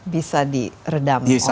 bisa di redam oleh tanah